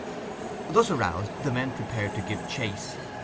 Thus aroused, the men prepared to give chase.